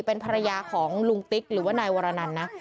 เป็นภรรยาของลุงติ๊กหรือว่านายวรนันนะ